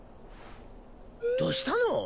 どうしたの？